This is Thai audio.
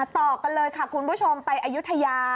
ต่อกันเลยค่ะคุณผู้ชมไปอายุทยา